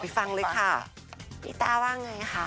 ไปฟังเลยคะอิตตาว่าอย่างไรค่ะ